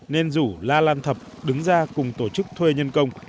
nên rủ la lan thập đứng ra cùng tổ chức thuê nhân công